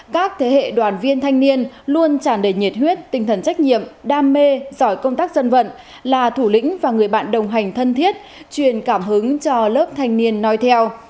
các thế hệ đoàn viên thanh niên luôn tràn đầy nhiệt huyết tinh thần trách nhiệm đam mê giỏi công tác dân vận là thủ lĩnh và người bạn đồng hành thân thiết truyền cảm hứng cho lớp thanh niên nói theo